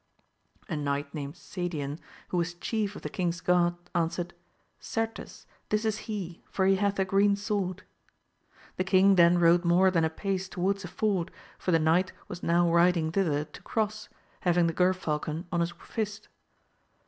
A knight named Sadian, who was chief of the king's guard, answered, Certes, this is he for he hath a green sword. The king then rode more than apace towards a ford, for the knight was now riding thither to cross, having the ger falcon on his fist.